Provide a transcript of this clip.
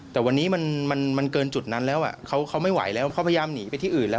แต่วันนี้มันเกินจุดนั้นแล้วเขาไม่ไหวแล้วเขาพยายามหนีไปที่อื่นแล้ว